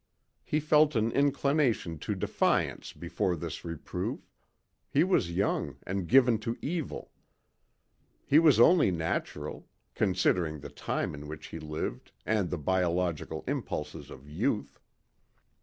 He felt an inclination to defiance before this reproof.... He was young and given to evil. This was only natural, considering the time in which he lived and the biological impulses of youth.